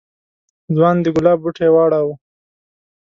ځوان د گلاب بوټی واړاوه.